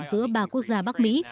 giữa ba quốc gia bắc mỹ